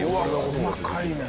細かいね。